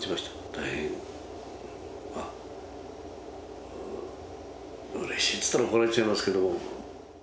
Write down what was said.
大変、まあ、うれしいって言ったら怒られちゃいますけど。